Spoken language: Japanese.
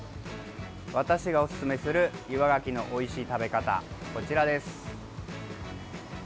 私がおすすめする岩がきのおいしい食べ方、こちらです。